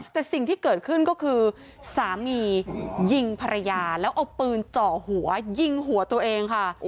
แต่สิ่งที่เกิดขึ้นก็คือสามียิงภรรยาแล้วเอาปืนเจาะหัวยิงหัวตัวเองค่ะ